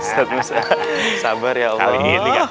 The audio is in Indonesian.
ustadz musa sabar ya allah